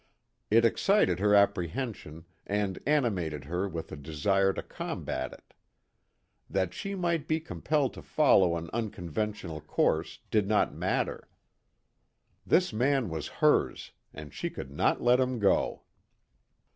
It excited her apprehension and animated her with a desire to combat it. That she might be compelled to follow an unconventional course did not matter. This man was hers and she could not let him go.